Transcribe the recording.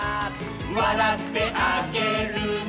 「わらってあげるね」